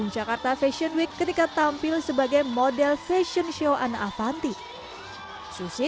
jakarta fashion week ketika tampil sebagai model fashion show anna avanti susi